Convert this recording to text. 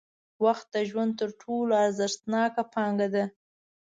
وخت د ژوند تر ټولو ارزښتناکه پانګه ده.